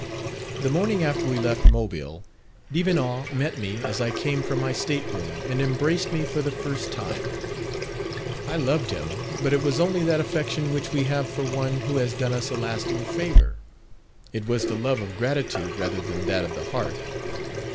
"The morning after we left Mobile, Devenant met me as I came from my state room and embraced me for the first time. I loved him, but it was only that affection which we have for one who has done us a lasting favour: it was the love of gratitude rather than that of the heart.